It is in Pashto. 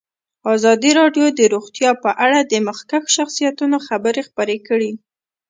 ازادي راډیو د روغتیا په اړه د مخکښو شخصیتونو خبرې خپرې کړي.